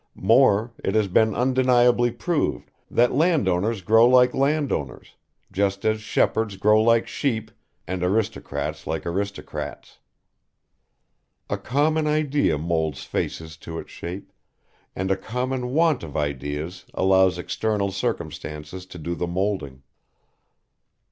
More, it has been undeniably proved that landowners grow like landowners, just as shepherds grow like sheep, and aristocrats like aristocrats. A common idea moulds faces to its shape, and a common want of ideas allows external circumstances to do the moulding.